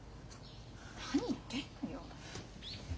何言ってんのよ。